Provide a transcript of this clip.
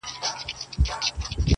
o اوازې په کلي کي ډېر ژر خپرېږي,